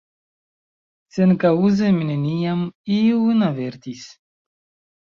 Senkaŭze mi neniam iun avertis.